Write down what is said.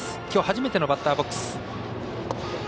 きょう初めてのバッターボックス。